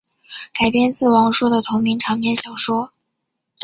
改编自王朔的同名长篇小说。